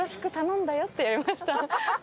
って言われました。